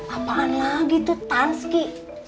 apaan lagi tuh tanski